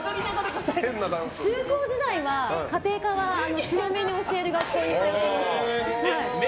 中高時代は家庭科は強めに教える学校に通ってました。